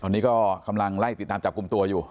ตอนนี้ก็ครังล่ายติดนามกุมตัวอยู่